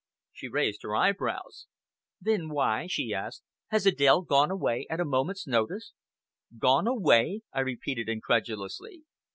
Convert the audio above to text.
She raised her eyebrows. "Then why," she asked, "has Adèle gone away at a moment's notice?" "Gone away!" I repeated incredulously.